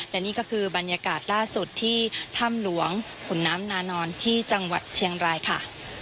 และนี่ก็คือบรรยากาศล่าสุดที่ถ้ำหลวงขุนน้ำนานอนที่จังหวัดเชียงรายค่ะ